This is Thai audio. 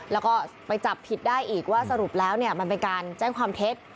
แล้วก็ไปจับผิดได้อีกว่าสรุปแล้วมันเป็นการแจ้งความเท็จ